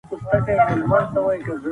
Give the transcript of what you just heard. هیڅکله چاته لاس مه نیسئ.